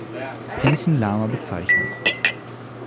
Penchen Lama bezeichnet.